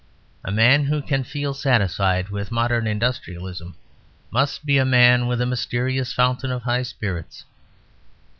A man who can feel satisfied with modern industrialism must be a man with a mysterious fountain of high spirits.